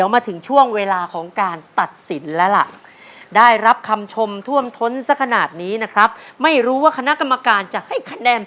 มันเต็มอิ่มมันอิ่มใจ